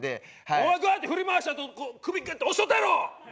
お前こうやって振り回したあと首グッと押しとったやろ！